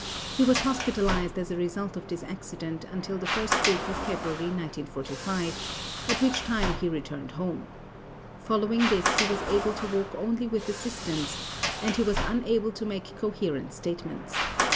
He was hospitalized as a result of this accident until the first week of February 1945, at which time he returned home. Following this he was able to walk only with assistance and he was unable to make coherent statements.